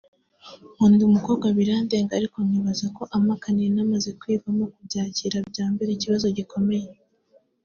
nkunda umukobwa birandenga ariko nkibaza ko ampakaniye namaze kwivamo kubyakira byambera ikibazo gikomeye